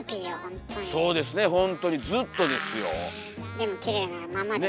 でもきれいなままです。